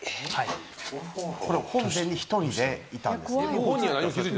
ここ本殿に１人でいたんです。